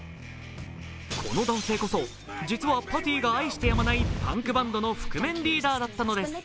この男性こそ、実はパティが愛してやまないパンクバンドの覆面リーダーだったのです。